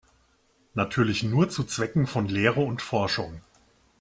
Natürlich nur zu Zwecken von Lehre und Forschung.